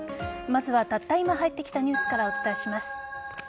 まずは、たった今入ってきたニュースからお伝えします。